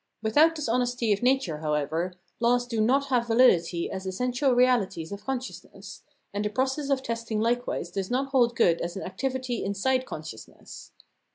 Without this honesty of nature, however, laws do not Reason as Testing Laws 423 have validity as essential realities of consciousness, and the process of testing likewise does not hold good as an activity inside consciousness.